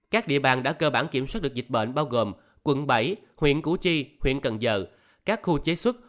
các địa bàn đã cơ bản kiểm soát được dịch bệnh bao gồm quận bảy huyện củ chi huyện cần giờ các khu chế xuất